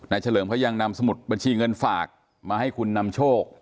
เฉลิมเขายังนำสมุดบัญชีเงินฝากมาให้คุณนำโชค